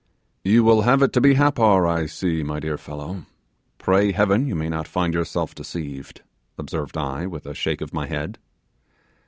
'You will have it to be Happar, I see, my dear fellow; pray Heaven you may not find yourself deceived,' observed I, with a shake of my head.